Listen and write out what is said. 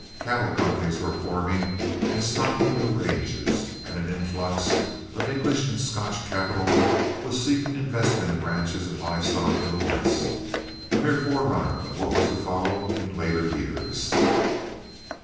Cattle companies were forming and stocking new ranges, and an influx of English and Scotch capital was seeking investment in ranches and live stock in the West, a mere forerunner of what was to follow in later years.